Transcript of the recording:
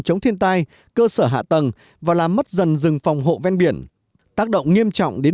chống thiên tai cơ sở hạ tầng và làm mất dần rừng phòng hộ ven biển tác động nghiêm trọng đến